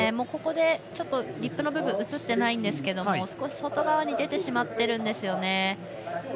ここでリップの部分は映ってないんですが少し外側に出ているんですよね。